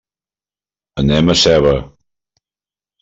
Anem a Seva.